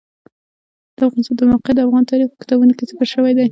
د افغانستان د موقعیت د افغان تاریخ په کتابونو کې ذکر شوی دي.